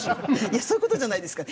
いやそういうことじゃないですか。